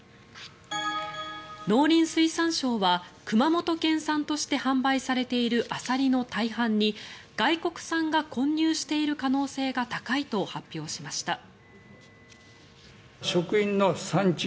農林水産省は熊本県産として販売されているアサリの大半に外国産が混入している可能性が高いと発表しました。